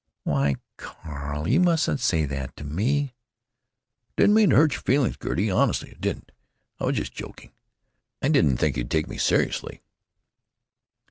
"Why, Carl, you mustn't say that to me!" "I didn't mean to hurt your feelings, Gertie, honestly I didn't. I was just joking. I didn't think you'd take me seriously."